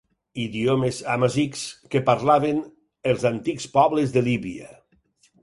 Idiomes amazics que parlaven els antics pobles de Líbia.